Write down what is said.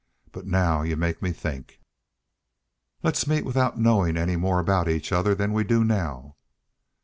"But now y'u make me think." "Let's meet without knowin' any more about each other than we do now."